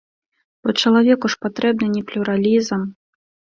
Бо чалавеку ж патрэбны не плюралізм.